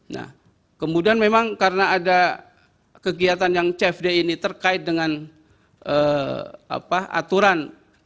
nah kemudian memang karena ada kegiatan yang cfd ini terkait dengan aturan